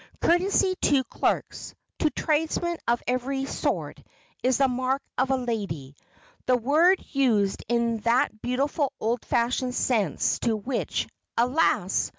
Courtesy to clerks, to tradesmen of every sort is the mark of a "lady," the word used in that beautiful old fashioned sense to which, alas!